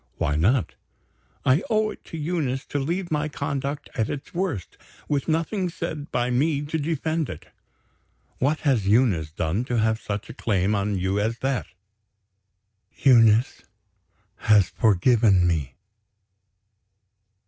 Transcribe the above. "Why not?" "I owe it to Eunice to leave my conduct at its worst; with nothing said by me to defend it." "What has Eunice done to have such a claim on you as that?" "Eunice has forgiven me."